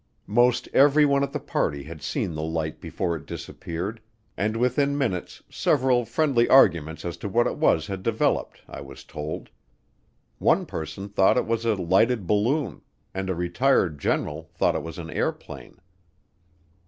Most everyone at the party had seen the light before it disappeared, and within minutes several friendly arguments as to what it was had developed, I was told. One person thought it was a lighted balloon, and a retired general thought it was an airplane.